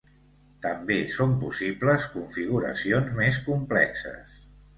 També són possibles configuracions més complexes.